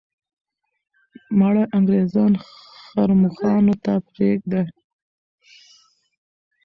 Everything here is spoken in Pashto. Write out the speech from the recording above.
مړه انګریزان ښرموښانو ته پرېږده.